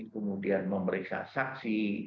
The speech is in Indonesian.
kemudian memeriksa saksi